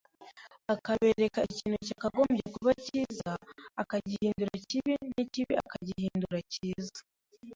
akabereka ikintu cyakagobye kuba cyiza akagihindura kibi n’ikibi akagihindura icyiza